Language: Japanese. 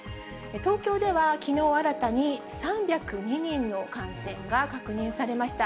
東京ではきのう新たに３０２人の感染が確認されました。